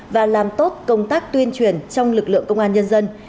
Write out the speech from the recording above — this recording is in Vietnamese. và làm tốt công tác tuyên truyền trong lực lượng công an nhân dân